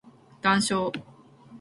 談笑